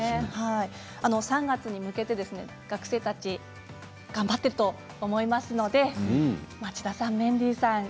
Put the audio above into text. ３月に向けて学生たち頑張っていると思いますので町田さん、メンディーさん